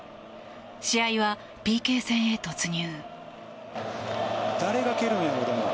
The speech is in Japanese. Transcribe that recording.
試合はＰＫ戦へ突入。